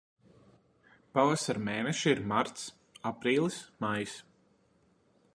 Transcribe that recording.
Pavasara mēneši ir marts, aprīlis, maijs.